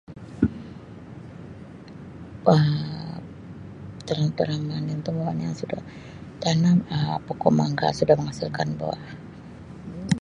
Um Tanam-tanaman itu bukan yang sudah Um pokok mangga sudah menghasilkan buah.